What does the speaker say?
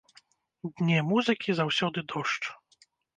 Дне музыкі заўсёды дождж.